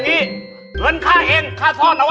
มีความรู้สึกว่า